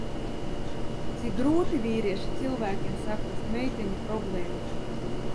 Cik grūti vīrieša cilvēkam saprast meiteņu problēmas!